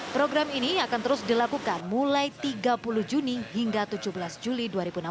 program ini akan terus dilakukan mulai tiga puluh juni hingga tujuh belas juli dua ribu enam belas